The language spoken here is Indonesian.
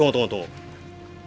tunggu tunggu tunggu